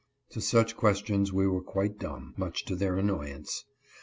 " To such questions we were quite dumb (much to their annoyance).